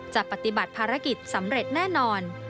ปฏิบัติภารกิจสำเร็จแน่นอน